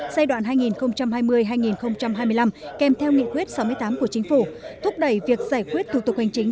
giai đoạn hai nghìn hai mươi hai nghìn hai mươi năm kèm theo nghị quyết sáu mươi tám của chính phủ thúc đẩy việc giải quyết thủ tục hành chính